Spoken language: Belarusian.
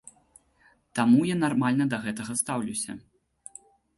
Таму я нармальна да гэтага стаўлюся.